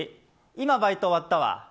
今、バイト終わったわ。